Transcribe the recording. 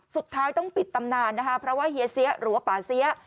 สุดท้ายต้องปิดตำนานนะคะเพราะว่าเฮียเสียหรือว่าป่าเสีย